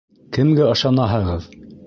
Кемгә ышанаһығыҙ!